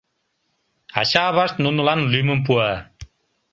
Ача-авашт нунылан лӱмым пуа.